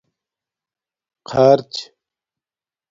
خرچ